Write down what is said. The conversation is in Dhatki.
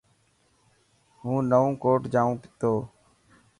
هون نئون ڪوٽ جائون تو.